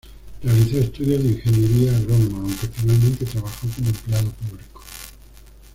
Realizó estudios de ingeniería agrónoma, aunque finalmente trabajó como empleado público.